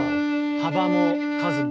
幅も数も。